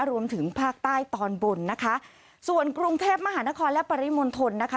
รวมถึงภาคใต้ตอนบนนะคะส่วนกรุงเทพมหานครและปริมณฑลนะคะ